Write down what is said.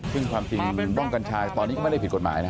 ซึ่งความจริงบ้องกัญชายตอนนี้ก็ไม่ได้ผิดกฎหมายนะ